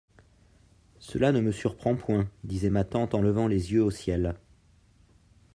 Cela ne me surprend point, disait ma tante en levant les yeux au ciel.